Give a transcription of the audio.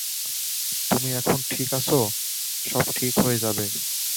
তুমি এখন ঠিক আছ, সব ঠিক হয়ে যাবে।